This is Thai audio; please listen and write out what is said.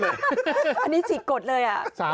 อันนี้ฉีกกดเลย